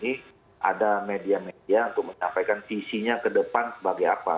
jadi ada media media untuk mencapai visinya ke depan sebagai apa